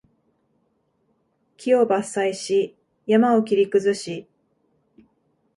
木を伐採し、山を切り崩し